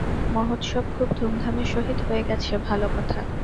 মহোৎসব খুব ধুমধামের সহিত হয়ে গেছে, ভাল কথা।